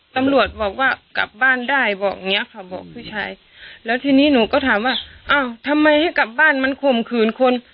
ตำรวจบอกว่ากลับบ้านได้บอกเนี้ยค่ะบอกผู้ชายแล้วทีนี้หนูก็ถามว่าอ้าวทำไมให้กลับบ้านมันข่มขืนคน